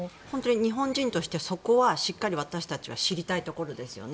日本人としてそこはしっかり私たちは知りたいところですよね。